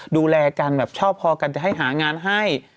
ดูแลกันแบบชอบพอกันจะให้หางานให้